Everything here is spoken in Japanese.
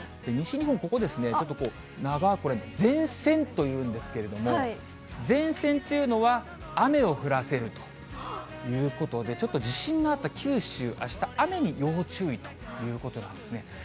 西日本、ここですね、ちょっと長く、前線というんですけれども、前線というのは、雨を降らせるということで、ちょっと地震があった九州、あした、雨に要注意ということなんですね。